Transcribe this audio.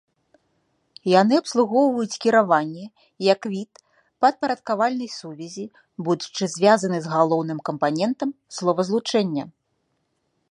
Яны абслугоўваюць кіраванне як від падпарадкавальнай сувязі, будучы звязаны з галоўным кампанентам словазлучэння.